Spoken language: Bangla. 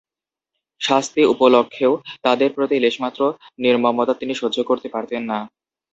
শাস্তি উপলক্ষেও তাদের প্রতি লেশমাত্র নির্মমতা তিনি সহ্য করতে পারতেন না।